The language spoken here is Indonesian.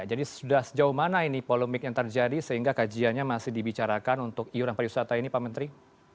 jadi sudah sejauh mana ini polemik yang terjadi sehingga kajiannya masih dibicarakan untuk iuran pariwisata ini pak menteri